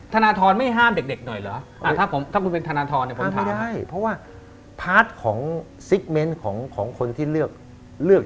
ธนทรไม่ห้ามเด็กหน่อยเหรอ